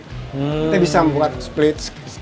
kita bisa membuat split